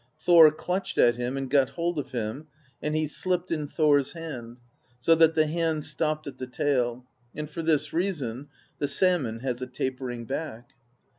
Thor clutched at him and got hold of him, and he slipped in Thor's hand, so that the hand stopped at the tail; and for this reason the salmon has a tapering back.